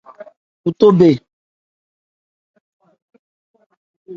Cu tɔ bhwe.